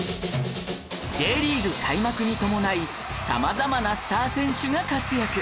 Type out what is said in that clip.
Ｊ リーグ開幕に伴い様々なスター選手が活躍